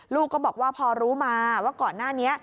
ลูกก็บอกว่าพอรู้มาว่าก่อนหน้านี้